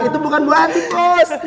itu bukan buah atik bos